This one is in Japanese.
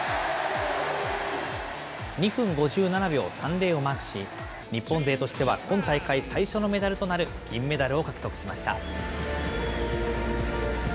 ２分５７秒３０をマークし、日本勢としては今大会最初のメダルとなる銀メダルを獲得しました。